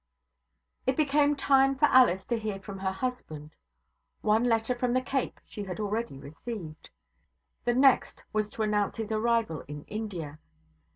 It became time for Alice to hear from her husband. One letter from the Cape she had already received. The next was to announce his arrival in India.